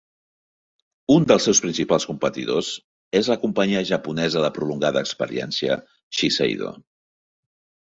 Un dels seus principals competidors és la companyia japonesa de prolongada experiència Shiseido.